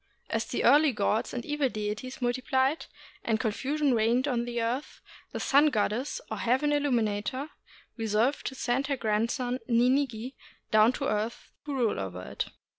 As the earthly gods and evil deities multiplied, and confusion reigned on the earth, the Sun Goddess, or Heaven Illuminator, resolved to send her grandson Ninigi down to the earth to rule over it.